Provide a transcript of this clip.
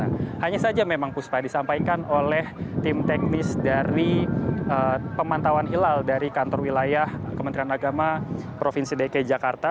nah hanya saja memang puspa disampaikan oleh tim teknis dari pemantauan hilal dari kantor wilayah kementerian agama provinsi dki jakarta